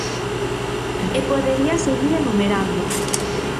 E podería seguir enumerando.